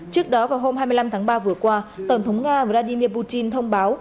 trước đó vào hôm hai mươi năm tháng ba vừa qua tổng thống nga vladimir putin thông báo